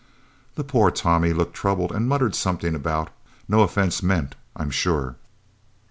The poor Tommy looked troubled and muttered something about "no offence meant, I am sure."